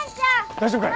大丈夫かい？